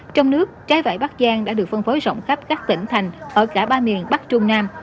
trong nước trái vải bắc giang đã được phân phối rộng khắp các tỉnh thành ở cả ba miền bắc trung nam